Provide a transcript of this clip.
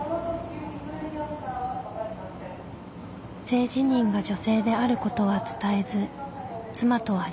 性自認が女性であることは伝えず妻とは離婚。